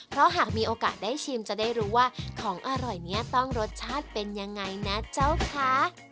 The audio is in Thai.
เพราะหากมีโอกาสได้ชิมจะได้รู้ว่าของอร่อยนี้ต้องรสชาติเป็นยังไงนะเจ้าคะ